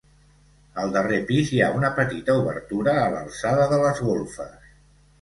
Al darrer pis, hi ha una petita obertura a l'alçada de les golfes.